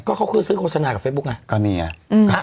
ก็เขาคือซึ้นโฆษณากับเฟซบุ๊คไงก็มีอ่ะอืม